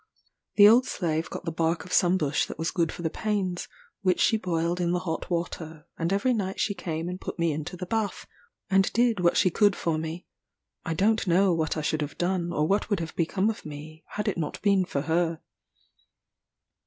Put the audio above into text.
The old slave got the bark of some bush that was good for the pains, which she boiled in the hot water, and every night she came and put me into the bath, and did what she could for me: I don't know what I should have done, or what would have become of me, had it not been for her.